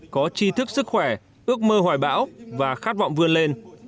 có chi thức sức khỏe ước mơ hoài bão và khát vọng vươn lên